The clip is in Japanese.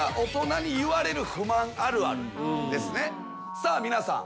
さあ皆さん。